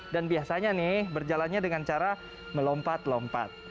dan biasanya nih berjalannya dengan cara melompat lompat